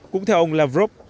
cũng theo ông lavrov